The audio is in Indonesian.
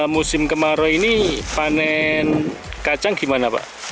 musim kemarau ini panen kacang gimana pak